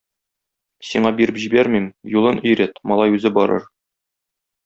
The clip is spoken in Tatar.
Сиңа биреп җибәрмим, юлын өйрәт, малай үзе барыр.